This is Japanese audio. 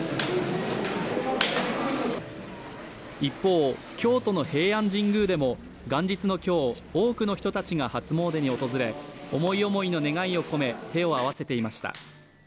一方、京都の平安神宮でも元日の今日、多くの人たちが初詣に訪れ、思い思いの願いを込め、手を合わせていました。